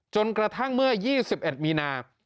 จนกระทั่งเมื่อ๒๑มีนา